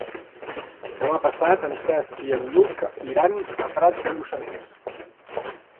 Demà passat en Cesc i en Lluc iran a Prats de Lluçanès.